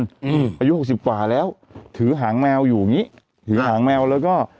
อายุหกสิบกว่าแล้วถือหางแมวอยู่อย่างงี้ถือหางแมวแล้วก็